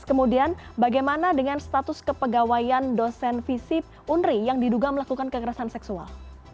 kemudian bagaimana dengan status kepegawaian dosen visip unri yang diduga melakukan kekerasan seksual